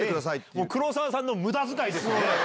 もう黒沢さんのむだづかいですね。